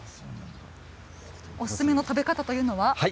おすすめの食べ方というのは。